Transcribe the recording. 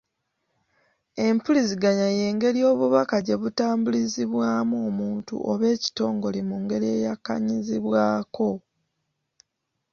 Empuliziganya y'engeri obubaka gye butambuzibwamu omuntu oba ekitongole mu ngeri eyakkaannyizibwako.